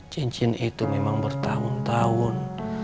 cincin itu memang bertahun tahun